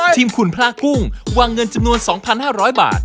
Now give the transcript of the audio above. ทีมคุณพระกุ้งวางเงินจำนวน๒๕๐๐บาท